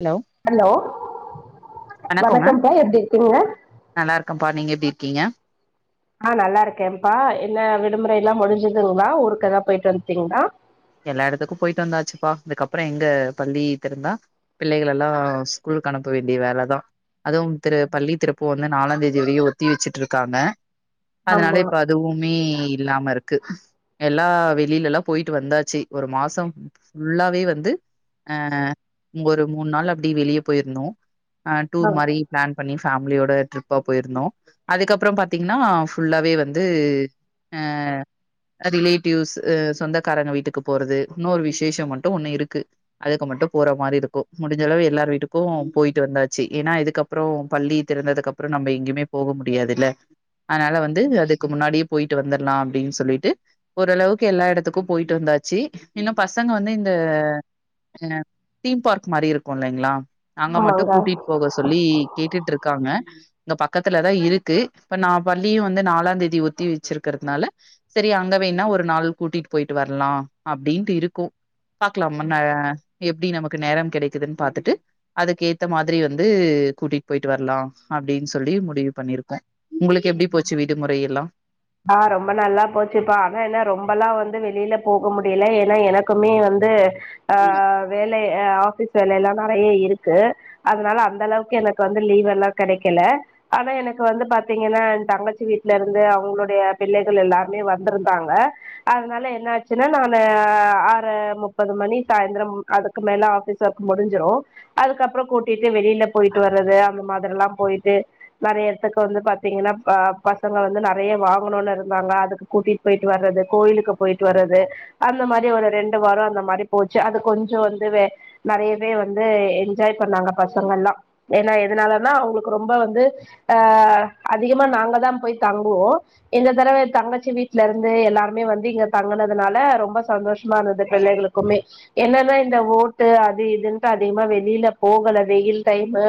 Hello hello வணக்கங்க வணக்கம்ப்பா எப்டி இருக்கீங்க நல்லா இருக்கேன்ப்பா நீங்க எப்பிடி இருக்கீங்க ஆ நல்லா இருக்கேன்ப்பா என்ன விடுமுறை எல்லா முடிஞ்சுதுங்களா ஊருக்கு எதா போயிட்டு வந்துடிங்களா எல்லா எடத்துக்கு போயிட்டு வந்தாச்சுப்பா இதுக்கப்புறோ எங்க பள்ளி திறந்தா பிள்ளைகள் எல்லா ஸ்கூலுக்கு அனுப்ப வேண்டிய வேலதா அதுவு திரு பள்ளி திறப்ப வந்து நாலாந்தேதி வரையு ஒத்தி வச்சுட்டு இருக்காங்க அதனால ஆமா இப்ப அதுவுமே இல்லாம இருக்கு எல்லா வெளியில எல்லா போயிட்டு வந்தாச் சி ஒரு மாசோ ஃபுல்லாவே வந்து அ ஒரு மூனு நாள் அப்பிடி வெளிய போயிருந்தோ ஆ டூர் மாரி பிளேன் பண்ணி ஃபேமிலியோட ட்ரிப்பா போயிருந்தோ அதுக்கப்புறோ பாத்தீங்கன்னா ஃபுல்லாகவே வந்து அ ரிலேட்டிவ்ஸ் சொந்தக்காரங்க வீட்டுக்கு போறது இன்னொரு விசேஷம் மட்டு ஒன்னு இருக்கு அதுக்கு மட்டு போற மாரி இருக்கு முடிஞ்சளவு எல்லார் வீட்டுக்கு போயிட்டு வந்தாச்சி ஏன்னா இதுக்கப்புறோ பள்ளி திறந்ததுக்கு அப்புறோ நம்ம எங்கியுமே போக முடியாதில்ல அனால வந்து அதுக்கு முன்னாடியே போயிட்டு வந்தர்லா அப்பிடின் சொல்லிட்டு ஓரளவுக்கு எல்லா எடத்துக்கு போயிட்டு வந்தாச் ச்சி இன்னு பசங்க வந்து இந்த அ தீம் பார்க் மாரி இருக்கு இல்லைங்களா அங்க மட்டு ஆமாங்க கூட்டிட்டு போக சொல்லி கேட்டுட்டு இருக்காங்க இங்க பக்கத்துலதா இருக்கு இப்ப நா பள்ளியு வந்து நாலாந்தேதி ஒத்தி வச்சுருக்குறதுனால சேரி அங்க வேன்னா ஒரு நாள் கூட்டிட்டு போயிட்டு வரலா அப்டின்ட்டு இருக்கு பாக்கலாமா ந எப்டி நமக்கு நேர கெடக்குதுன் பாத்துட்டு அதுக்கு ஏத்த மாதிரி வந்து கூட்டிட்டு போயிட்டு வரலா அப்டின்னு சொல்லி முடிவு பண்ணிருக்கோ ஒங்களுக்கு எப்டி போச்சு விடுமுறை எல்லா ஆ ரொம்ப நல்லா போச்சுப்பா ஆனா ஏன்னா ரொம்பல்லா வந்து வெளில போக முடியல ஏன்னா எனக்குமே வந்து அ வே இல்ல ஆபீஸ் வேல எல்லா நெறய இருக்கு அதனால அந்த அளவுக்கு எனக்கு வந்து லீவ் எல்லா கெடைக்கல ஆனா எனக்கு வந்து பாத்தீங்கன்னா தங்கச்சி வீட்ல இருந்து அவுங்களோட ய பிள்ளைகள் எல்லாருமே வந்திருந்தாங்க அதனால என்ன ஆச்சுனா நானு ஆறு முப்பது மணி சாயந்திரம் அதுக்கு மேல ஆபிஸ் ஒர்க் முடிஞ்சுரு அதுக்கப்றோ கூட்டிட் இங்க வெளியில போயிட்டு வர்றது அந்த மாதிரில்லா போயிட்டு நெறய எடத்துக்கு வந்து பாத்தீங்கன்னா ப பசங்க வந்து நெறய வா போனுனு இருந்தாங்க அதுக்கு கூட்டிட்டு போயிட்டு வர்றது கோயிலுக்கு போயிட்டு வர்றது அந்த மாதிரி ஒரு ரெண்டு வாரோ அந்த மாதிரி போச்சு அது கொஞ்சோ வந்து நெறயவே வந்து என்ஜாய் பண்ணாங்க பசங்கல்லா ஏன்னா எதுனாலனா அவுங்களுக்கு ரொம்ப வந்து ஆ அதிகமா நாங்கதா போய் தங்குவோ இந்த தடவ தங்கச்சி வீட்ல இருந்து எல்லாருமே வந்து இங்க தங்கனதுனால ரொம்ப சந்தோஷம் மானது பிள்ளைகளுக்குமே என்னன்னா இந்த ஓட்டு அது இதுன்ட்டு அதிகமா வெளியில போகல வெயில் டைமு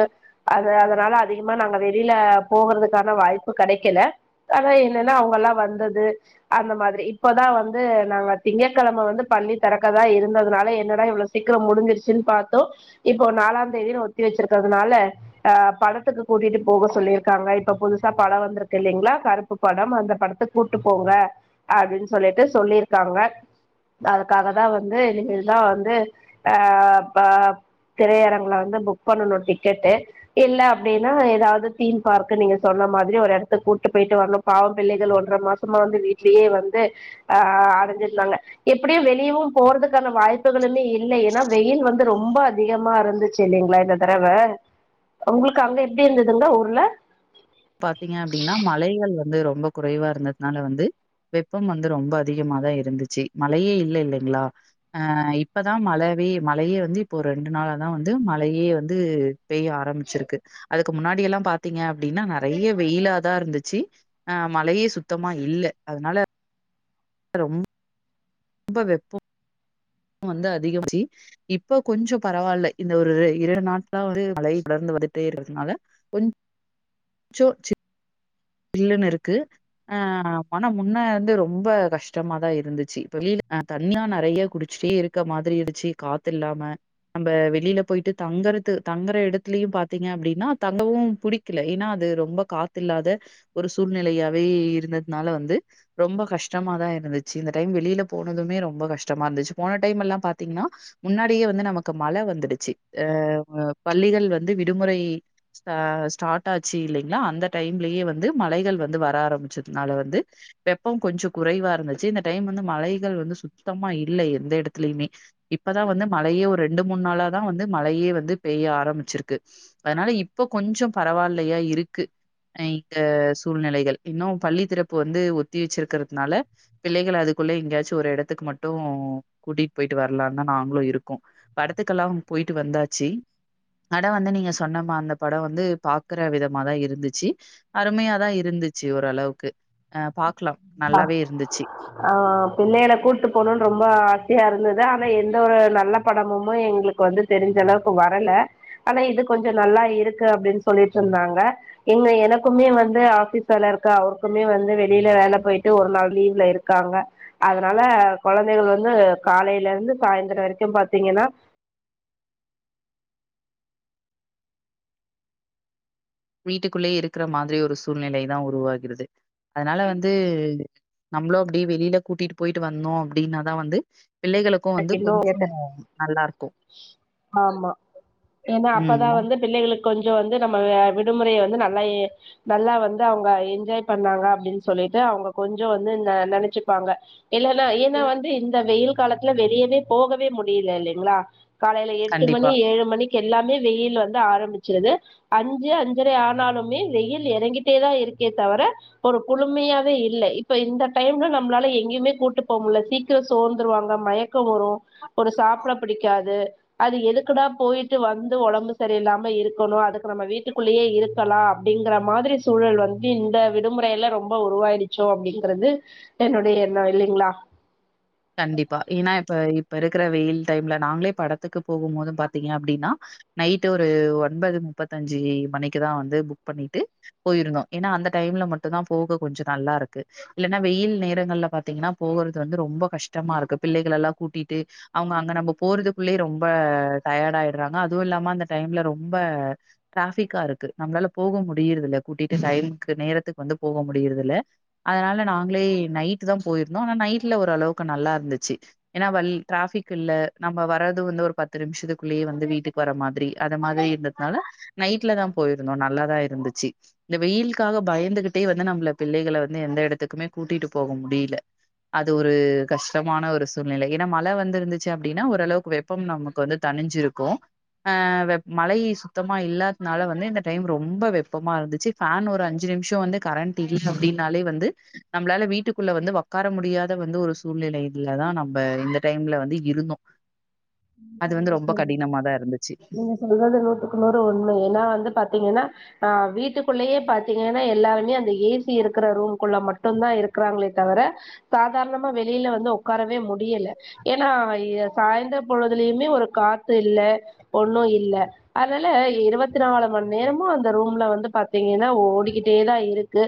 அது அதனால அதிகமா நாங்க வெளியில போகறதுக்கான வாய்ப்பு கெடைக்கல ஆனா என் ஏனா அவங்கல்லா வந்தது அந்த மாதிரி இப்பதா வந்து நாங்க திங்ககெழம வந்து பள்ளி திறக்கதா இருந்ததுனால என்னடா இவ்வளவு சீக்கிரம் முடிஞ்சிருச்சுன்னு பாத்தோ இப்போ நாலாந்தேதினு ஒத்தி வச்சிருக்குறதுனால ஆ படத்துக்கு கூட்டிட்டு போக சொல்லிருக்காங்க இப்ப புதுசா பட வந்திருக்கு இல்லைங்ளா கருப்பு படம் அந்த படத்துக்கு கூட்டு போங்க அப்டின் சொல்லிட்டு சொல்லிருக்காங்க அதுக்காக தா வந்து இதா வந்து அஹ திரையரங்ள வந்து புக் பண்ணணு டிக்கெட்டு இல்ல அப்டின்னா ஏதாவது தீம் பார்க்கு நீங்க சொன்ன மாதிரி ஒரு எடத்துக் கூட்டு போயிட்டு வரனு பாவ பிள்ளைகள் ஒன்றர மாசமா வந்து வீட்லயே வந்து ஆ அடஞ்சிருந்தாங்க எப்டியு வெளியவு போறதுக்கான வாய்ப்புகளுமே இல்ல ஏன்னா வெயில் வந்து ரொம்ப அதிகமா இருந்துச்சு இல்லைங்ளா இந்த தடவ ஒங்களுக்கு அங்க எப்டி இருந்ததுங்க ஊர்ல பாத்தீங்னா அப்டினா மலைகள் வந் வந்து ரொம்ப குறைவா இருந்ததுனால வந்து வெப்பம் வந்து ரொம்ப அதிகமாதா இருந்துச்சு மழயே இல்ல இல்லைங்ளா அ இப்பதா மழவே மழையே வந்து இப்போ ரெண்டு நாளா தா வந்து மழயே வந்து பெய்ய ஆரம்பிச்சிருக்கு அதுக்கு முன்னாடி எல்லா பாத்தீங்க அப்டின்னா நெறய வெயிலாதா இருந்துச்சு அ மழயே சுத்தமா இல்ல அதனால வர்ரும் ரொம்ப வெப்போ வந்து அதிகம் ஜி இப்ப கொஞ்சோ பரவாயில்ல இந்த ஒரு இரண்டு நாட்களா வந்து மழை தொடர்ந்து வந்துட்டே இருகுறதுனால கொஞ் சோ ச்ச சில்லுன்னு இருக்கு ஆ ஆனா முன்ன வந்து ரொம்ப கஷ்டமாதா இருந்துச்சு இப்ப வெளிய அ தண்ணியா நெறய குடிச்சிட்டே இருக்க மாதிரி இருந்துச்சு காத்து இல்லாம நம்ப வெளியில போயிட்டு தங்கறது தங்குற இடத்துலயு பாத்தீங்க அப்டின்னா தங்கவு புடிக்கல ஏன்னா அது ரொம்ப காத்து இல்லாத ஒரு சூழ்நிலயாவே இருந்ததுனால வந்து ரொம்ப கஷ்டமாதா இருந்துச்சு இந்த டைம் வெளியில போனதுமே ரொம்ப கஷ்டமா இருந்துச்சு போன டைம் எல்லா பாத்தீங்கனா முன்னாடியே வந்து நமக்கு மழ வந்துடுச்சு அ அ பள்ளிகள் வந்து விடுமுறை ஸ்டா ஸ்டாட் ஆச்சு இல்லைங்ளா அந்த டைம்லயே வந்து மலைகள் வந்து வர ஆரம்பிச்சதுனால வந்து வெப்பம் கொஞ்சம் குறைவா இருந்துச்சு இந்த டைம் வந்து மலைகள் வந்து சுத்தமா இல்லை எந்த எடத்துலயுமே இப்பதா வந்து மழயே ஒரு ரெண்டு மூனு நாளாதா வந்து மழயே வந்து பெய்ய ஆரம்பிச்சிருக்கு அதனால இப்ப கொஞ்சோ பரவாயில்லையா இருக்கு ஆ சூழ்நெலைகள் இன்னும் பள்ளி திறப்பு வந்து ஒத்தி வச்சிருக்கிறதுனால பிள்ளைகள் அதுக்குள்ள எங்கேயாச்சு ஒரு எடத்துக்கு மட்டு கூட்டிட்டு போயிட்டு வரலானுந்தா நாங்களு இருக்கோ படத்துக்கெல்லா போயிட்டு வந்தாச்சு படோ வந்து நீங்க சொன்னமா அந்த படோ வந்து பாக்குற விதமாதா இருந்துச்சு அருமையாதா இருந்துச்சு ஓரளவுக்கு அ பார்க்கலாம். ஆ நல்லாவே இருந்துச்சு. ஆ ஆ பிள்ளைகள கூட்டு போனுன்னு ரொம்ப ஆசையா இருந்துச்சு ஆனா எந்த ஒரு நல்ல படமுமே எங்களுக்கு வந்து தெரிஞ்ச அளவுக்கு வரல ஆனா இது கொஞ்சோ நல்லா இருக்கு அப்டின்னு சொல்லிட்டு இருந்தாங்க இங்க எனக்குமே வந்து ஆபீஸ் வேல இருக்கு அவருக்குமே வந்து வெளியில வேல போயிட்டு ஒரு நாள் லீவ்ல இருக்காங்க அதனால கொழந்தைகள் வந்து காலேயில இருந்து சாயந்திர வரைக்கு பாத்தீங்கன்னா வீட்டுக்குள்ளேயே இருக்கிற மாதிரி ஒரு சூழ்நிலைதா உருவாகுது அதனால வந்து நம்மளு அப்டியே வெளியில கூட்டிட்டு போயிட்டு வந்தோ அப்டின்னாதா வந்து பிள்ளைகளுக்கும் வந்து எனக் இன்னு எட்ட கொஞ்சம் நல்லாருக்கும். ஆமா ஏன்னா அப்பதா ம். வந்து பிள்ளைகளுக்கு கொஞ்சோ வந்து நம்ம விடுமுறய வ நல்லா நல்லா வந்து அவுங்க என்ஜாய் பண்ணாங்க அப்டின்னு சொல்லிட்டு அவுங்க கொஞ்சோ வந்து ந நெனச்சுப்பாங்க இல்லல்ல ஏனா வந்து இந்த வெயிலு வெளியவே போகவே முடியல இல்லைங்ளா காலேயில எட்டு மணி கண்டிப்பா. ஏழு மணிக் எல்லாமே வெயில் வந்து ஆரம்பிச்சிருது அஞ்சு அஞ்சரை ஆனாலுமே வெயில் எறங்கிட்டேதா இருக்கே தவிர ஒரு குளுமையாவே இல்ல இப்ப இந்த டைம்ல நம்மளால எங்கயுமே கூட்டு போக முடில சீக்கிரோ சோந்துருவாங்க மயக்கோ வரு ஒரு சாப்ட பிடிக்காது அது எதுக்குடா போயிட்டு வந்து ஒடம்பு சரியில்லாம இருக்கணு அதுக்கு நம்ம வீட்டுக்குள்ளயே இருக்கலா அப்டிங்கிற மாதிரி சூழல் வந்து இந்த விடுமுறையில ரொம்ப உருவாய்டுச்சோ அப்டிங்கறது என்னுடைய எண்ணோ இல்லிங்ளா கண்டிப்பா ஏன்னா இப்ப இப்ப இருக்கிற வெயில் டைம்ல நாங்களே படத்துக்கு போகும் போது பாத்தீங்க அப்டின்னா நைட்டு ஒரு ஒன்பது முப்பத்தஞ்சு மணிக்குதா வந்து புக் பண்ணிட்டு போயிருந்தோ ஏன்னா அந்த டைம்ல மட்டும்தா போக கொஞ்ச நல்லா இருக்கு இல்லன்னா வெயில் நேரங்கள்ல பாத்தீங்கன்னா போகறது வந்து ரொம்போ கஷ்டமா இருக்கு பிள்ளைகளெல்லா கூட்டிட்டு அவங்க அங்க நம்ம போறதுக்குள்ளயே ரொம்ப டயேடு ஆயிடுறாங்க அதுவு இல்லாம அந்த டைம்ல ரொம்ப டிராஃபிக்கா இருக்கு நம்மளால போக முடியறதில்ல கூட்டிட்டு டைம்க்கு நேரத்துக்கு வந்து போக முடியறதில்ல அதனால நாங்களே நைட்டுதா போயிருந்தோ ஆனா நைட்ல ஓரளவு க்கு நல்லா இருந்துச்சு ஏன்னா வல் டிராஃபிக் இல்ல நம்ம வர்றது வந்து ஒரு பத்து நிமிஷத்துக்குள்ளேயே வந்து வீட்டுக்கு வர மாதிரி அத மாதிரி இருந்ததுனால நைட்லதா போயிருந்தோ நல்லாதா இருந்துச்சு இந்த வெயிலுக்காக பயந்துக்கிட்டே வந்து நம்மள பிள்ளைகள வந்து எந்த இடத்துக்குமே கூட்டிட்டு போக முடியல அது ஒரு கஷ்டமான ஒரு சூழ்நில ஏன்னா மழ வந்துருந்துச்சு அப்டின்னா ஓரளவுக்கு வெப்பம் நமக்கு வந்து தனிஞ்சிருக்கு ஆ வெ மழை சுத்தமா இல்லாதனால வந்து இந்த டைம் ரொம்ப வெப்பமா இருந்துச்சு ஃபேன் ஒரு அஞ்சு நிமிஷோ வந்து கரண்ட் இல்ல அப்டின்னாலே வந்து நம்மளால வீட்டுக்குள்ள வந்து ஒக்கார முடியாத வந்து ஒரு சூழ்நிலைலதா நம்ம இந்த டைம்ல வந்து இருந்தோ ம் அது சரிங்க வந்து ரொம்ப தோழி கடினமாதா இருந்துச்சு நீங்க சொல்றது நூத்துக்கு நூறு உண்ம ஏன்னா வந்து பாத்தீங்கன்னா ஆ வீ ட்டுக்குள்ளயே பாத்தீங்கன்னா எல்லாருமே அந்த ஏ சி இருக்கிற ரூம்குள்ள மட்டும்தா இருக்கிறாங்களே தவிர சாதாரணமா வெளில வந்து உக்காரவே முடியல ஏன்னா எ சாயந்தர பொழுதுலயுமே ஒரு காத்து இல்ல ஒன்னு இல்ல அதனால இருபத்தி நாலு மணி நேரமு அந்த ரூம்ல வந்து பாத்தீங்கன்னா ஓடிக்கிட்டேதா இருக்கு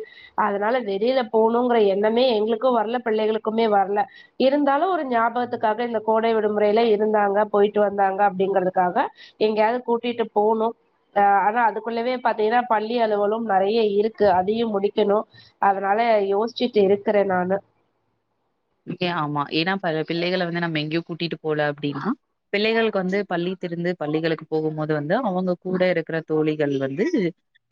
அதனால வெளில போணுங்கிற எண்ணமே எங்களுக்கு வர்ல பிள்ளைகளுக்குமே வர்ல இருந்தாலு ஒரு ஞாபகத்துக்காக இந்த கோடை விடுமுறைல இ ருந்தாங்க போயிட்டு வந்தாங்க அப்டிங்கறதுக்காக எங்கயாது கூட்டிட்டு போகணு ஆ ஆனா அதுக்குள்ளவே பாத்தீங்கன்னா பள்ளி அலுவலு நெறைய இருக்கு அதையு முடிக்கணு அதனால யோசிச்சுட்டு இருக்கிறே நானு ஏ ஆமா ஏன்னா ப பிள்ளைகள வந்து நம்ம எங்கயு கூட்டிட்டு போல அப்டின்னா பிள்ளைகளுக்கு வந்து பள்ளி திறந்து பள்ளிகளுக்கு போகும் போது வந்து அவங்க கூட இருக்கிற தோழிகள் வந்து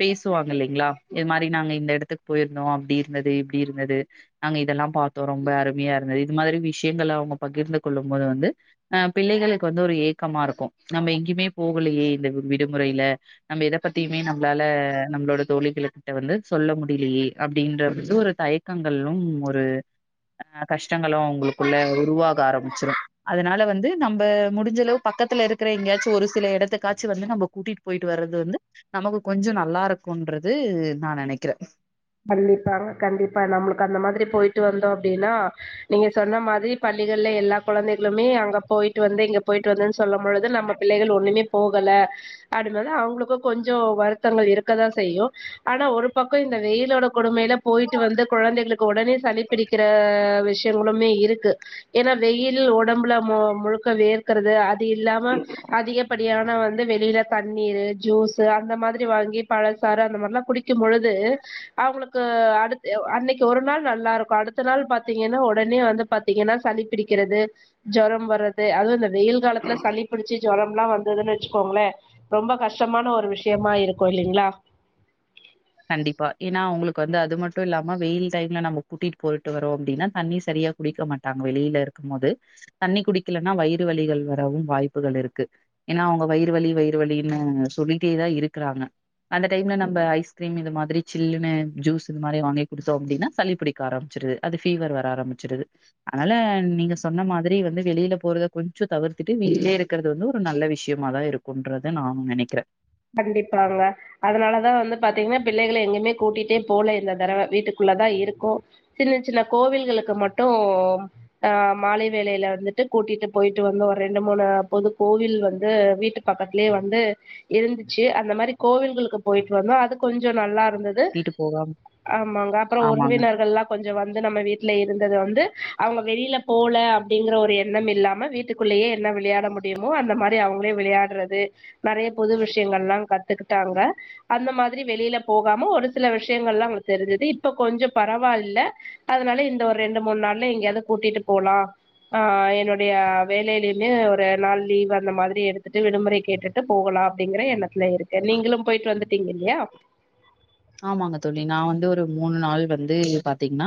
பேசுவாங்க இல்லைங்களா இது மாரி நாங்க இந்த எடத்துக்கு போயிருந்தோ அப்டி இருந்தது இப்டி இருந்தது நாங்க இதெல்லா பாத்தோ ரொம்ப அரு மையா இருந்தது இது மாதிரி விஷயங்கள அவங்க பகிர்ந்து கொள்ளும் போது வந்து ஆ பிள்ளைகளுக்கு வந்து ஒரு ஏக்கமா இருக்கு நம்ம எங்கயுமே போகலையே இந்த வி விடுமுறையில நம்ம எத பத்தியுமே நம்மளால நம்மளோட தோழிகளுகிட்ட வந்து சொல்ல முடியலையே அப்டின்ற வந்து ஒரு தயக்கங்களு ஒரு ஆ கஷ்டங்களு அவுங்களுக்குள்ள உருவாக ஆரம்பிச்சிரு அதனால வந்து நம்ப முடிஞ்சளவு பக்கத்துல இருக்கிற எங்கயாச்சு ஒரு சில எடத்துக்காச்சு வந்து நம்ம கூட்டிட்டு போயிட்டு வர்றது வந்து நமக்கு கொஞ்ச நல்லா இருக்குன்றது நா நெனைக்கிறே கண்டிப்பாங்க கண்டிப்பா நம்மளுக்கு அந்த மாதிரி போயிட்டு வந்தோ அப்டின்னா நீங்க சொன்ன மாதிரி பள்ளிகள்ல எல்லா குழந்தைகளுமே அங்க போயிட்டு வந்தே இங்க போயிட்டு வந்தேன்னு சொல்லும் பொழுது நம்ம பிள்ளைகள் ஒண்ணுமே போகல அப்டின்னவுனே அவுங்களுக்கு கொஞ்சோ வருத்தங்கள் இருக்கதா செய்யு ஆனா ஒரு பக்கோ இந்த வெயிலோட கொடுமைல போயிட்டு வந்து கொழந்தைகளுக்கு உடனே சளி பிடிக்கிற வி விஷயங்களுமே இருக்கு ஏன்னா வெயிலு ஒடம்புல மு முழுக்க வேக்கறது அது இல்லாம அதிகப்படியான வந்து வெளில தண்ணீரு ஜூஸு அந்த மாதிரி வாங்கி பழ சாறு அந்த மாரிலா குடிக்கும் பொழுது அவங்களுக்கு அடுத் அ அன்னைக்கு ஒரு நாள் நல்லா இருக்கு அடுத்த நாள் பாத்தீங்கன்னா உடனே வந்து பாத்தீங்கன்னா சளி பிடிக்கிறது ஜொரம் வர்றது அதுவு இந்த வெயில் காலத்துல சளி பிடிச்சு ஜொரம்லா வந்ததுன்னு வெச்சுக்கோங்களே ரொம்ப கஷ்டமான ஒரு விஷயமா இருக்கு இல்லிங்களா கண்டிப்பா ஏன்னா அவங்களுக்கு வந்து அது மட்டு இல்லாம வெயில் டைம்ல நம்ம கூட்டிட்டு போயிட்டு வரோ அப்டினா தண்ணி சரியா குடிக்க மாட்டாங்க வெளில இருக்கும் போது தண்ணி குடிக்கலன்னா வயிறு வலிகள் வரவு வாய்ப்புகள் இருக்கு ஏன்னா அவங்க வயிறு வலி வயிறு வலின்னு சொல்லிட்டேதா இருக்கிறாங்க அந்த டைம்ல நம்ம ஐஸ் கிரீம் இது மாதிரி சில்லுன்னு ஜூஸ் இது மாரி வாங்கி குடுத்தோ அப்டின்னா சளி பிடிக்க ஆரம்பிச்சிருது அது ஃபீவர் வர ஆரம்பிச்சிருது அதனால நீங்க சொன்ன மாதிரி வந்து வெளில போறத கொஞ்சோ தவிர்த்துட்டு வீட்லயே இருக்கறது வந்து ஒரு நல்ல விஷயமாதா இருக்குன்றத நானு நெனைக்கிறே கண்டிப்பாங்க அதனாலதா வந்து பாத்தீங்கன்னா பிள்ளைகள எங்கயுமே கூட்டிட்டே போல இந்த தடவ வீட்டுக்குள்ளதா இருக்கோ சின்ன சின்ன கோவில்களுக்கு மட்டு ஆ மாலை வேளைல வந்துட்டு கூட்டிட்டு போயிட்டு வந்து ஒரு ரெண்டு மூணு பொது கோவில் வந்து வீட்டு பக்கத்லயே வந்து இருந்துச்சு அந்த மாரி கோவில்களுக்கு போயிட்டு வந்தோ அது கொஞ்சோ நல்லா இருந்தது வீட்டு போகாம ஆமாங்க அப்றோ ஆமாங்க. உறவினர்கள்லா கொஞ்சோ வந்து நம்ம வீட்ல இருந்தது வந்து அவங்க வெளில போல அப்டிங்கற ஒரு எண்ணம் இல்லாம வீட்டுக்குள்ளயே என்ன விளையாட முடியுமோ அந்த மாரி அவங்களே விளையாடுறது நெறைய புது விஷயங்கள்லா கத் துக்கிட்டாங்க அந்த மாதிரி வெளில போகாம ஒரு சில விஷயங்கள்லா அவங்களுக்கு தெரிஞ்சுது இப்ப கொஞ்ச பரவால்ல அதனால இந்த ஒரு ரெண்டு மூணு நாள்ல எங்கயாது கூட்டிட்டு போலா ஆ என்னுடைய வேலைலயுமே ஒரு நாள் லீவ் அந்த மாதிரி எடுத்துட்டு விடுமுறை கேட்டுட்டு போகலா அப்டிங்கற எண்ணத்துல இருக்கே நீங்களு போயிட்டு வந்துட்டீங்க இல்லையா ஆமாங்க தோழி நா வந்து ஒரு மூணு நாள் வந்து பாத்தீங்ன்னா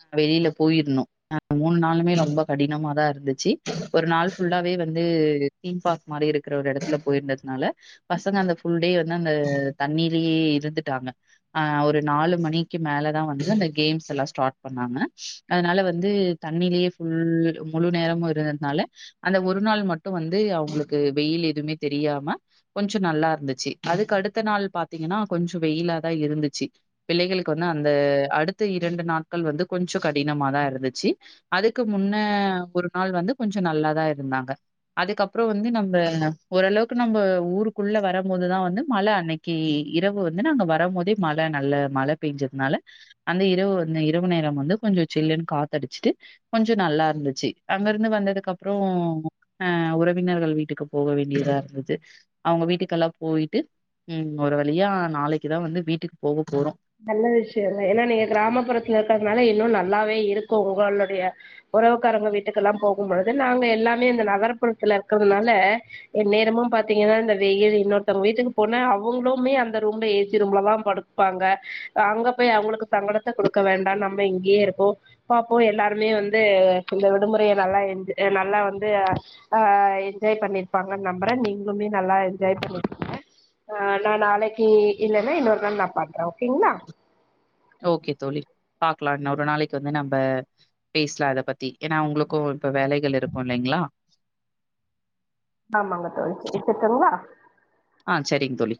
அ வெளில போயிருந்தோ ஆ மூணு நாளுமே ரொம்ப கடினமாதா இருந்துச்சி ஒரு நாள் ஃபுல்லாவே வந்து தீம்பார்க் மாரி இருக்கிற ஒரு எடத்துல போயிருந்ததுனால பசங்க அந்த ஃபுல் டே வந்து அந்த தண்ணிலேயே இருந்துட்டாங்க ஆ ஒரு நாலு மணிக்கு மேலதா வந்து அந்த கேம்ஸ் எல்லா ஸ்டார்ட் பண்ணாங்க அதனால வந்து தண்ணிலயே ஃபுல் முழு நேரமு இருந்ததுனால அந்த ஒரு நாள் மட்டு வந்து அவங்களுக்கு வெயில் எதுமே தெரியாம கொஞ்ச நல்லா இருந்துச்சு அதுக்கு அடுத்த நாள் பாத்தீங்கன்னா கொஞ்சோ வெயிலா தா இருந்துச்சு பிள்ளைகளுக்கு வந்து அந்த அடுத்த இரண்டு நாட்கள் வந்து கொஞ்ச கடினமாதா இருந்துச்சு அதுக்கு முன்ன ஒரு நாள் வந்து கொஞ்ச நல்லாதா இருந்தாங்க அதுக்கப்புறோ வந்து நம்ம ஓரளவுக்கு நம்ம ஊருக்குள்ள வரம்போதுதா வந்து மழ அன்னக்கி இரவு வந்து நாங்க வ வரம்போதே மழ நல்ல மழ பேஞ்சதுனால அந்த இரவு வந் இரவு நேரம் வந்து கொஞ்சோ சில்லுன்னு காத்தடிச்சுட்டு கொஞ்சோ நல்லா இருந்துச்சு அங்க இருந்து வந்ததுக்கு அப்றோ ஆ உறவினர்கள் வீட்டுக்கு போக வேண்டியதா இருந்தது அவங்க வீட்டுக்கெல்லா போயிட்டு ம் ஒரு வழியா நாளக் கிதா வந்து வீட்டுக்கு போகப் போறோ நல்ல விஷயந்தா ஏன்னா நீங்க கிராமப்புறத்துல இருக்கிறதுனால இன்னு நல்லாவே இருக்கு உங்களுடைய உறவுக்காரங்க வீட்டுக்கெல்லா போகும்பொழுது நாங்க எல்லாமே இந்த நகரப்புறத்துல இருக்கிறதுனால எந்நேரமும் பாத்தீங்கன்னா இந்த வெயில் இன்னொருத்தவங்க வீட்டுக்கு போனா அவங்களுமே அந்த ரூம்ல ஏ சி ரூம்லதா படுப்பாங்க அங்க போய் அவுங்களுக்கு சங்கடத்த குடுக்க வேண்டா நம்ம இங்கேயே இருக்கோ பாப்போ எல்லாருமே வந்து இந்த விடுமுறைய நல்லா என் நல்லா வந்து ஆ என்ஜாய் பண்ணிருப்பாங்கன்னு நம்புறே நீங்களுமே நல்லா என்ஜாய் பண்ணிப்பங்க ஆ நா நாளைக்கு இல்லன்னா இன்னொரு நாள் நா பண்றோ ஓ கேங்களா ஓகே தோழி பாக்கலா இன்னொரு நாளைக்கு வந்து நம்ம பேசலா இத பத்தி ஏன்னா உங்களுக்கு இப்ப வேலைகள் இருக்கு இல்லைங்களா ஆமாங்க தோழி வச்சருட்டுங்களா ஆ சரிங்க தோழி